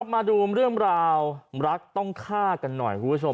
มาดูเรื่องราวรักต้องฆ่ากันหน่อยคุณผู้ชม